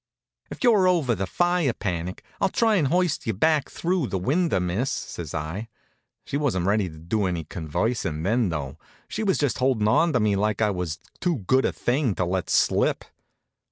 "If you're over the fire panic, I'll try and hoist you back through the window, miss," says I. She wasn't ready to do any conversin' then, though. She was just holdin' onto me like I was too good a thing to let slip.